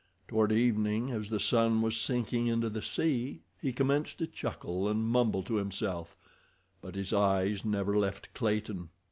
Toward evening, as the sun was sinking into the sea, he commenced to chuckle and mumble to himself, but his eyes never left Clayton.